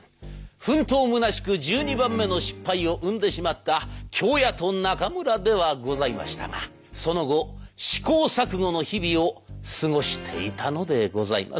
奮闘むなしく１２番目の失敗を生んでしまった京谷と中村ではございましたがその後試行錯誤の日々を過ごしていたのでございます。